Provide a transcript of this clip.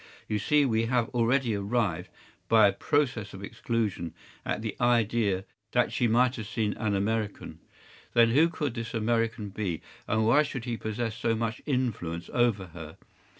You see we have already arrived, by a process of exclusion, at the idea that she might have seen an American. Then who could this American be, and why should he possess so much influence over her?